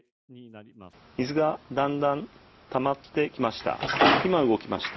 水がだんだんたまってきました。